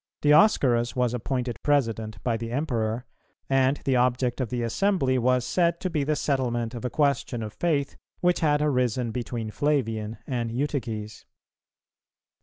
[299:1] Dioscorus was appointed President by the Emperor, and the object of the assembly was said to be the settlement of a question of faith which had arisen between Flavian and Eutyches. St.